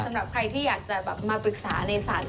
สำหรับใครที่อยากจะมาปรึกษาในศาล